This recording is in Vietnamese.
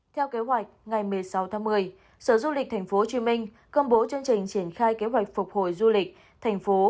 theo kế hoạch ngày một mươi sáu tháng một mươi sở du lịch tp hcm công bố chương trình triển khai kế hoạch phục hồi du lịch thành phố